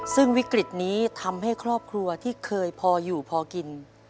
ซึ่งวิกฤตนี้ทำให้ครอบครัวที่เคยพออยู่พอกิน